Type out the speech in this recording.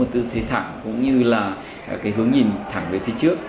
tư thế thẳng cũng như là cái hướng nhìn thẳng về phía trước